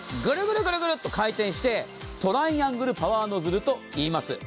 グルグルっと回転してトライアングルパワーノズルといいます。